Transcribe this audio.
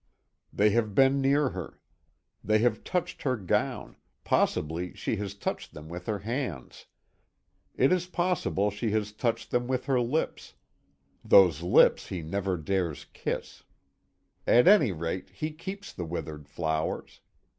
They have been near her. They have touched her gown possibly she has touched them with her hands. It is possible she has touched them with her lips those lips he never dares kiss. At any rate he keeps the withered flowers.